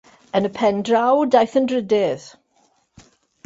Yn y pen draw daeth yn drydydd.